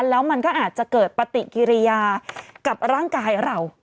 แล้วมันก็อาจจะเกิดปฏิกิริยากับร่างกายเรา